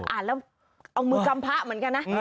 อ่านแล้วเอามือกำพระเหมือนกันนะ